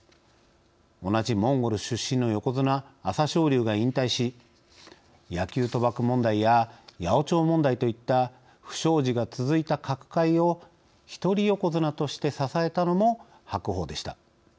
同じモンゴル出身の横綱・朝青龍が引退し野球賭博問題や八百長問題といった不祥事が続いた角界を１人横綱として支えたのも白鵬でした。